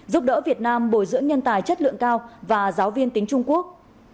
giúp đỡ việt nam bồi dưỡng nhân tài chất lượng cao và giáo viên tiếng trung quốc